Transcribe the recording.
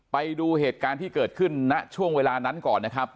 ไปดูเหตุการณ์ที่เกิดขึ้นณช่วงเวลานั้นก่อนนะครับ